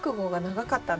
長かった。